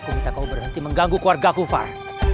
aku minta kau berhenti mengganggu keluarga ku far